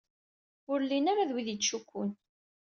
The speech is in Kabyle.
Ur llin ara d wid yettcukkun.